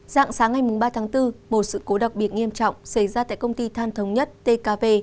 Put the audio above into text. dạng sáng ngày ba tháng bốn một sự cố đặc biệt nghiêm trọng xảy ra tại công ty than thống nhất tkv